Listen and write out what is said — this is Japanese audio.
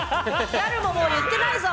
ギャルももう言ってないぞ！